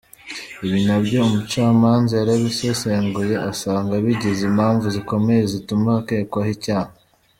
Ibi na byo umucamanza yarabisesenguye asanga bigize impamvu zikomeye zituma akekwaho icyaha.